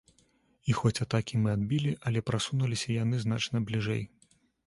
І хоць атакі мы адбілі, але прасунуліся яны значна бліжэй.